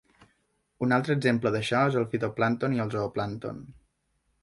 Un altre exemple d'això és al fitoplàncton i al zooplàncton.